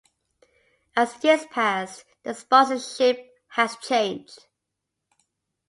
As years passed, the sponsorship has changed.